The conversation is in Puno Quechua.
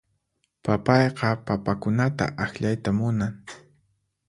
Papayqa papakunata akllayta munan.